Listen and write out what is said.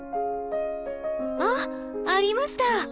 あっありました！